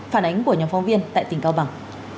phản ánh của nhóm phóng viên tại tỉnh cao bằng